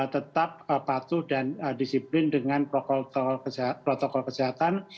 tetap patuh dan disiplin dengan protokol kesehatan